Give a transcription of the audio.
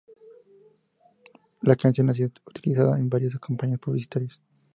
La canción ha sido utilizada en varias campañas publicitarias.